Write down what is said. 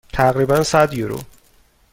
تقریبا صد یورو.